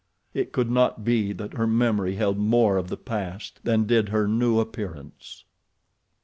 It could not be that her memory held more of the past than did her new appearance.